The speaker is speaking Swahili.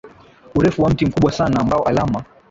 urefu wa mti mkubwa sana ambao alama